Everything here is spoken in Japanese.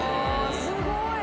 すごい！